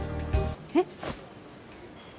えっ！